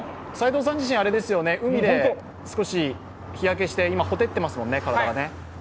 齋藤さん自身、海で少し日焼けして今、ほてっていますもんね、体が。